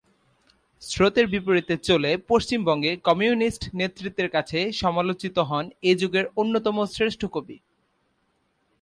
স্রোতের বিপরীতে চলে পশ্চিমবঙ্গে কমিউনিস্ট নেতৃত্বের কাছে সমালোচিত হন এ-যুগের অন্যতম শ্রেষ্ঠ কবি।